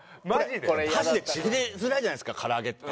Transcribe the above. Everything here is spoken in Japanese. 箸でちぎりづらいじゃないですか唐揚げって。